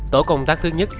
tổ công tác thứ nhất